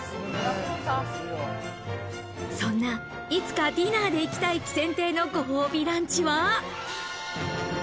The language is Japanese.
そんないつかディナーで行きたい喜扇亭のご褒美ランチは。